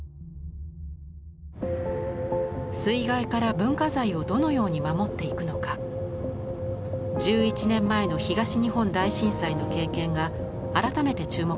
水害から文化財をどのように守っていくのか１１年前の東日本大震災の経験が改めて注目されています。